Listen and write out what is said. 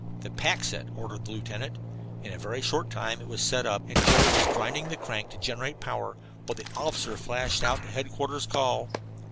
"The pack set!" ordered the lieutenant. In a very short time it was set up, and Jerry was grinding the crank to generate power while the officer flashed out the headquarters call.